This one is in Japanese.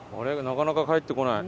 なかなか帰ってこない。